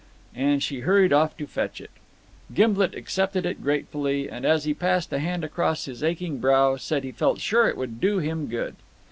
And she hurried off to fetch it. Gimblet accepted it gratefully, and as he passed a hand across his aching brow said he felt sure it would do him good.